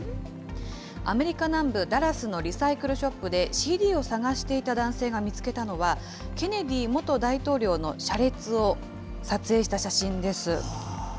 アメリカ南部ダラスのリサイクルショップで、ＣＤを探していた男性が見つけたのは、ケネディ元大統領の車列を撮影した写真です。